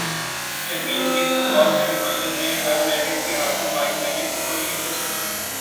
champions league football semi final میں Real Madrid کے ہاتھوں بائرن میونخ کو شکست